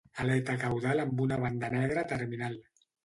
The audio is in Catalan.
Aleta caudal amb una banda negra terminal.